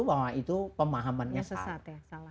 bahwa itu pemahaman salah